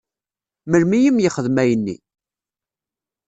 Melmi i m-yexdem ayenni?